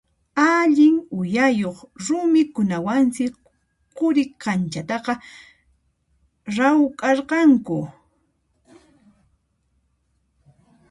Allin uyayuq rumikunawansi Quri kanchataqa rawkharqanku.